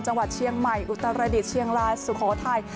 จังหวัดเชียงใหม่อุตรดิษฐ์เชียงรายสุโขทัย